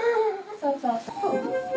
そうそう。